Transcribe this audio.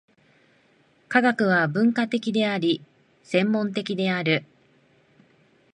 科学は分科的であり、専門的である。